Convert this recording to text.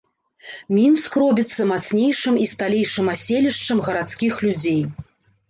Мінск робіцца мацнейшым і сталейшым аселішчам гарадскіх людзей.